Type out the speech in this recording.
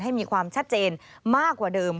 มีความชัดเจนมากกว่าเดิม